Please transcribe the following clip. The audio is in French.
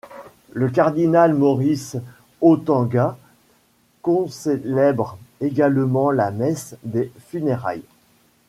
Le cardinal Maurice Otunga concélèbre également la messe des funérailles.